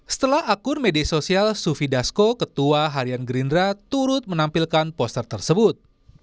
setelah akun media sosial sufi dasko ketua harian gerindra turut menampilkan poster tersebut